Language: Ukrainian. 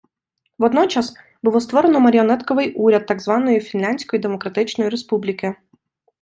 Водночас, було створено маріонетковий уряд так званої Фінляндської Демократичної Республіки.